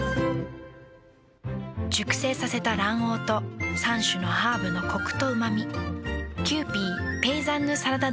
熟成させた卵黄と３種のハーブのコクとうま味。